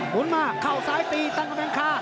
หุนมาเข้าซ้ายตีตั้งกำแพงคา